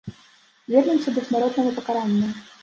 Вернемся да смяротнага пакарання.